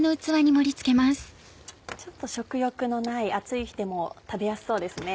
ちょっと食欲のない暑い日でも食べやすそうですね。